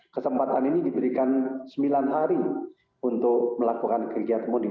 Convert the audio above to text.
kesempatan ini diberikan sembilan hari untuk melakukan kerjaan munding